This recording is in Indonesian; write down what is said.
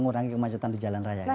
terang kemacetan di jalan raya gitu ya